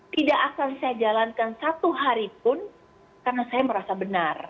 tidak akan saya jalankan satu hari pun karena saya merasa benar